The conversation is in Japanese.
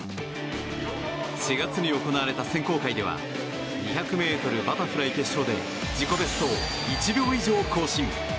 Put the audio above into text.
４月に行われた選考会では２００ｍバタフライ決勝で自己ベストを１秒以上更新。